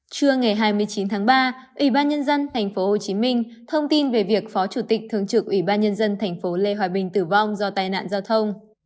trưa ngày hai mươi chín tháng ba ủy ban nhân dân tp hcm thông tin về việc phó chủ tịch thường trực ủy ban nhân dân tp lê hòa bình tử vong do tai nạn giao thông